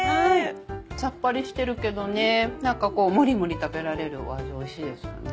サッパリしてるけどね何かこうもりもり食べられる味おいしいですよね。